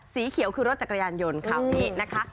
สีเขียวคือรถจากกระยานยนต์ค่ะ